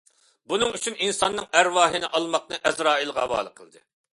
بۇنىڭ ئۈچۈن ئىنساننىڭ ئەرۋاھىنى ئالماقنى ئەزرائىلغا ھاۋالە قىلدى.